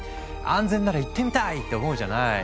安全なら行ってみたい！って思うじゃない？